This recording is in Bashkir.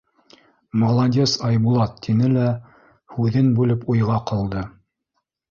— Молодец, Айбулат, — тине лә һүҙен бүлеп уйға ҡалды.